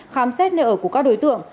khám xét nơi ở của các đối tượng